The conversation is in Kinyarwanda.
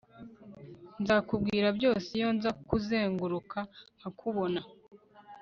Nzakubwira byose iyo nza kuzenguruka nkakubona